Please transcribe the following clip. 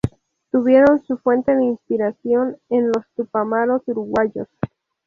Tuvieron su fuente de inspiración en los Tupamaros uruguayos.